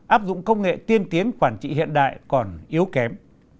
áp dụng công nghệ tiên tiến quản trị hiện đại còn yếu kém